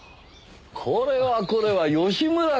これはこれは吉村くん。